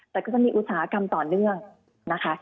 แต่ก็จะมีอุตสาหกรรมต่อเนื่องนะคะ